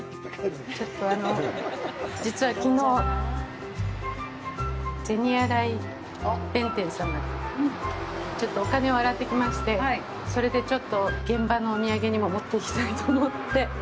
ちょっと実はきのう、銭洗弁天さまにちょっとお金を洗ってきましてそれで、ちょっと現場のお土産にも持っていきたいと思って。